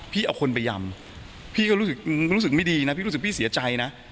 เอาคนไปยำพี่ก็รู้สึกไม่ดีนะพี่รู้สึกพี่เสียใจนะ